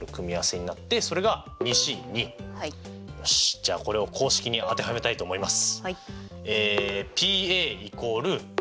じゃあこれを公式に当てはめたいと思います。